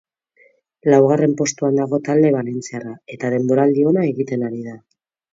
Laugarren postuan dago talde valentziarra eta denboraldi ona egiten ari da.